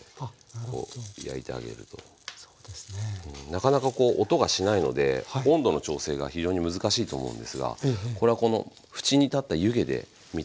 なかなかこう音がしないので温度の調整が非常に難しいと思うんですがこれはこの縁に立った湯気で見て頂くといいですね。